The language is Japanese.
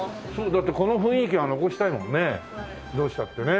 だってこの雰囲気は残したいもんねどうしたってね。